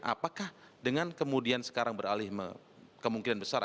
apakah dengan kemudian sekarang beralih kemungkinan besar